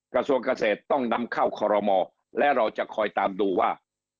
กระทรวงเกษตรต้องนำเข้าคอรมอและเราจะคอยตามดูว่า